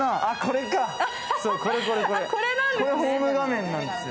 これ、ホーム画面なんですよ。